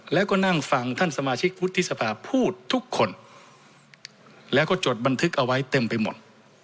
แล้วก็นั่งฟังท่านสมาชิกวุฒิสภาพูดทุกคนแล้วก็จดบันทึกเอาไว้เต็มไปหมด